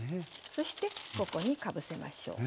そしてここにかぶせましょう。